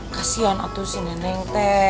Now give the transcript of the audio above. kasian atuh si neneng